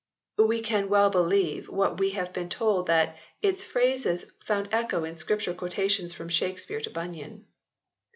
We can well believe what we have been told that its phrases found echo in Scripture quotation from Shakespeare to Bunyan.